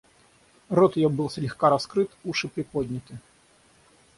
Рот ее был слегка раскрыт, уши приподняты.